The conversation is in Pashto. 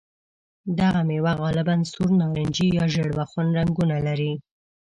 دغه مېوه غالباً سور، نارنجي یا ژېړ بخن رنګونه لري.